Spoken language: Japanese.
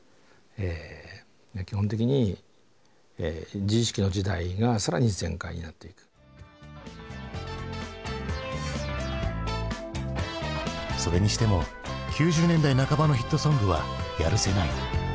基本的にそれにしても９０年代半ばのヒットソングはやるせない。